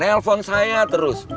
nelfon saya terus